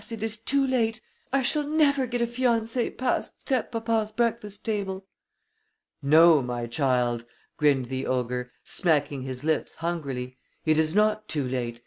it is too late. I shall never get a fiancé past step papa's breakfast table!" "No, my child," grinned the ogre, smacking his lips hungrily. "It is not too late.